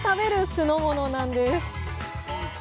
酢の物なんです！